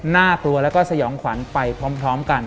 น่ากลัวแล้วก็สยองขวัญไปพร้อมกัน